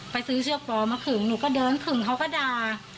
ซื้อเสื้อปลอมมาขึงหนูก็เดินขึงเขาก็ด่า